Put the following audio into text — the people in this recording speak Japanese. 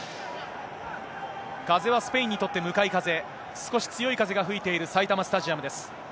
風はスペインにとって向かい風、少し強い風が吹いている埼玉スタジアムです。